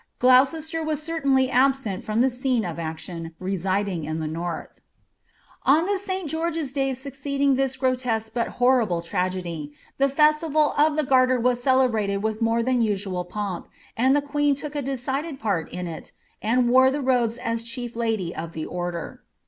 Gloucester was certainly absent from the scene of action, residing in the north. On the St. Geoige's day succeeding this grotesque but horrible tragedy, the festival of the Charter was celebrated with more than usual pomp, and the queen took a decided part in it, and wore the robes as chief lady of the oider.